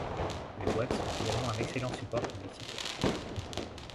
Les boîtes sont également un excellent support publicitaire.